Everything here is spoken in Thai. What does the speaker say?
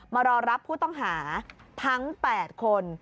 มารอรับผู้ต้องหาทั้ง๘คน